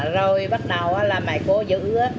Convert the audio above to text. rồi bắt đầu là mẹ cô giữ